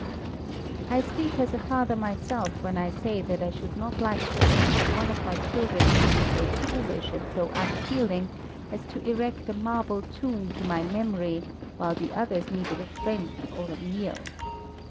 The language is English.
I speak as a father myself when I say that I should not like to think that one of my children would be so foolish and so unfeeling as to erect a marble tomb to my memory while the others needed a friend or a meal.